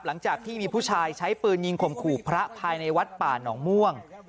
หลังจากที่มีผู้ชายใช้ปืนยิงข่มขู่พระภายในวัดป่าหนองม่วง